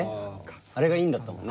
あれがインだったもんね。